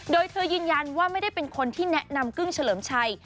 โดยเธอยืนยันว่าไม่ได้เป็นคนที่แนะนำกึ้งเฉลิมชัย